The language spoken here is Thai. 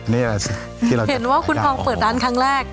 เห็นว่าคุณคองเปิดร้านครั้งแรก